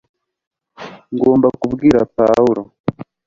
ngomba kubwira pawulo